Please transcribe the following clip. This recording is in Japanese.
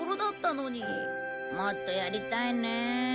もっとやりたいねえ。